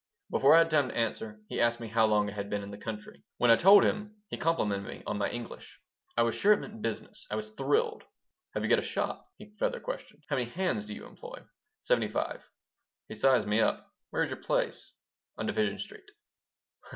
Before I had time to answer he asked me how long I had been in the country. When I told him, he complimented me on my English. I was sure it meant business. I was thrilled "Have you got a shop?" he further questioned. "How many hands do you employ?" "Seventy five." He sized me up. "Where is your place?" "On Division Street."